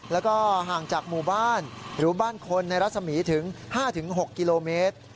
แล้วก็ห่างจากหมู่บ้านหรือบ้านคนในรัศมีถึง๕๖กิโลเมตร